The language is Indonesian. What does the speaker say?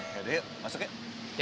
ya udah yuk masuk ya